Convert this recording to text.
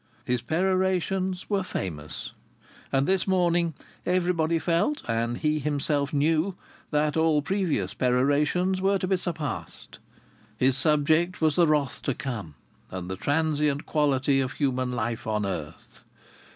His perorations were famous. And this morning everybody felt, and he himself knew, that all previous perorations were to be surpassed. His subject was the wrath to come, and the transient quality of human life on earth.